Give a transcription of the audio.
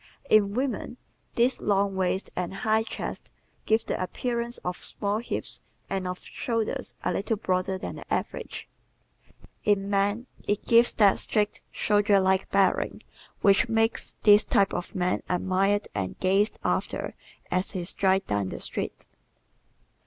In women this long waist and high chest give the appearance of small hips and of shoulders a little broader than the average; in men it gives that straight, soldier like bearing which makes this type of man admired and gazed after as he strides down the street.